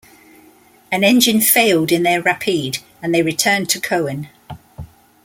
An engine failed in their Rapide and they returned to Coen.